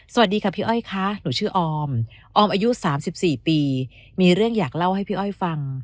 สวัสดีค่ะพี่อ้อยค่ะหนูชื่อออมออมอายุ๓๔ปีมีเรื่องอยากเล่าให้พี่อ้อยฟัง